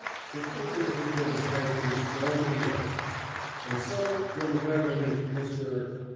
If only it had been the high priest's own ear! And so when the Rev. Mr.